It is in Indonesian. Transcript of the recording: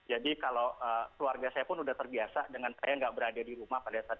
jadi kalau keluarga saya pun sudah terbiasa dengan saya tidak berada di rumah pada saat